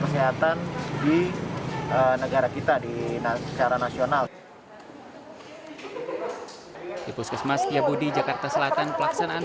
kesehatan di negara kita di secara nasional di puskesmas setiabudi jakarta selatan pelaksanaan